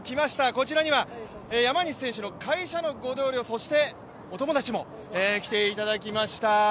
こちらには山西選手の会社のご同僚、そして、お友達も来ていただきました。